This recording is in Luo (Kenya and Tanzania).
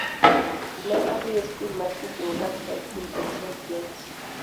Ne adhi e skul mar Kisumu Girls High School kod St. John's.